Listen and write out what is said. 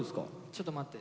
ちょっと待って。